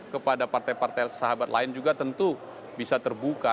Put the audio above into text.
kepada partai partai sahabat lain juga tentu bisa terbuka